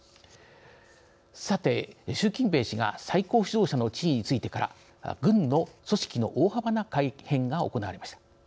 さて、習近平氏が最高指導者の地位についてから軍の組織の大幅な改変が行われました。